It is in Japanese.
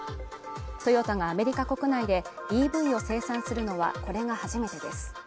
トヨタがアメリカ国内でＥＶを生産するのはこれが初めてです。